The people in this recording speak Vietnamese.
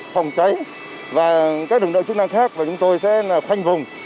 phòng cháy và các lực lượng chức năng khác và chúng tôi sẽ khoanh vùng